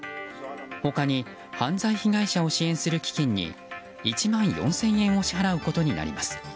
他に犯罪被害者を支援する基金に１万４０００円を支払うことになります。